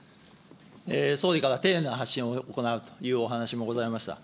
総理から丁寧な発信を行うというお話もございました。